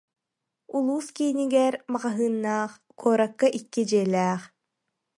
Улуус киинигэр маҕаһыыннаах, куоракка икки дьиэлээх